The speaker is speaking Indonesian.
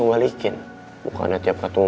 jadi bodo amat